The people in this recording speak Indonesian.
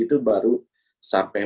itu baru sampai berakhir